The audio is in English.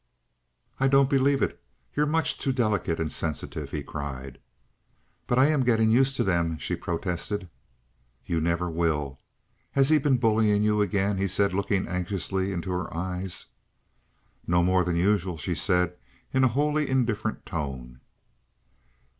"I don't believe it! You're much too delicate and sensitive!" he cried. "But I am getting used to them," she protested. "You never will. Has he been bullying you again?" he said, looking anxiously into her eyes. "Not more than usual," she said in a wholly indifferent tone.